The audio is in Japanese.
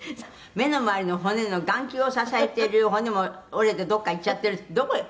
「目の周りの骨の眼球を支えてる骨も折れてどこか行っちゃってるってどこへ」